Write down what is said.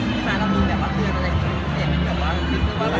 พี่มันเรารู้แบบว่าเกือบอะไร